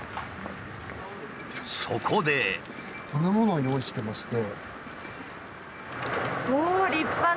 こんなものを用意してまして。